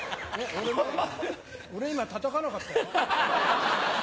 俺今たたかなかったよ。